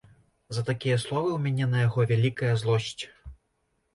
За такія словы ў мяне на яго вялікая злосць.